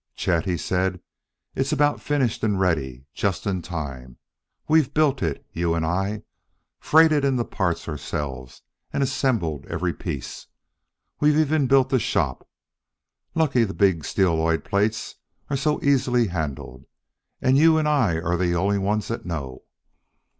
"Chet," he said, "it's about finished and ready just in time. We've built it, you and I; freighted in the parts ourselves and assembled every piece. We've even built the shop: lucky the big steeloid plates are so easily handled. And you and I are the only ones that know.